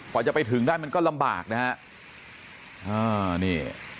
กว่าจะไปถึงได้มันก็ลำบากนะครับนี่